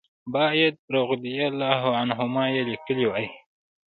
باید رضی الله عنهما یې لیکلي وای.